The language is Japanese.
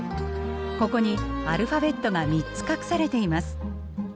ここにアルファベットが３つ隠されています。